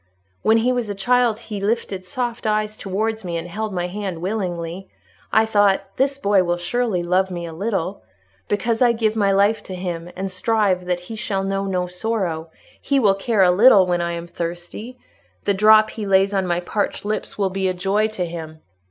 When he was a child he lifted soft eyes towards me, and held my hand willingly: I thought, this boy will surely love me a little: because I give my life to him and strive that he shall know no sorrow, he will care a little when I am thirsty—the drop he lays on my parched lips will be a joy to him...